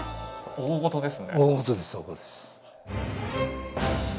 大ごとです。